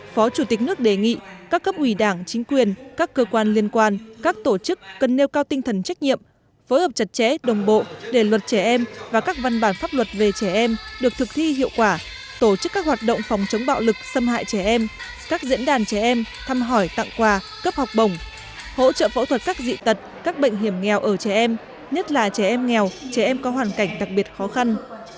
phó chủ tịch nước đề nghị các cấp ủy đảng chính quyền các cơ quan liên quan các tổ chức cần nêu cao tinh thần trách nhiệm phối hợp chặt chẽ đồng bộ để luật trẻ em và các văn bản pháp luật về trẻ em được thực thi hiệu quả tổ chức các hoạt động phòng chống bạo lực xâm hại trẻ em các diễn đàn trẻ em thăm hỏi tặng quà cấp học bồng hỗ trợ phẫu thuật các dị tật các bệnh hiểm nghèo ở trẻ em nhất là trẻ em nghèo trẻ em có hoàn cảnh đặc biệt khó khăn